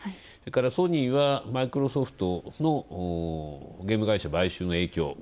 それからソニーはマイクロソフトのゲーム会社買収の影響。